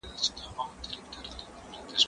زه بايد ونې ته اوبه ورکړم؟!